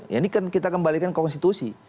ini kan kita kembalikan ke konstitusi